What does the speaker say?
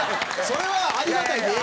それは「ありがたい」で